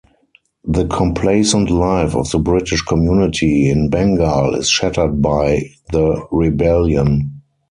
The complacent life of the British community in Bengal is shattered by the Rebellion.